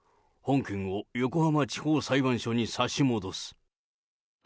本件を横浜地方裁判所に差し戻す。